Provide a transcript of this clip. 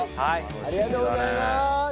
ありがとうございます！